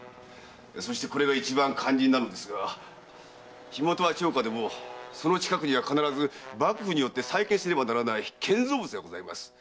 そしてこれが一番肝心なのですが火元は町家でもその近くには必ず幕府によって再建せねばならない建造物がございます。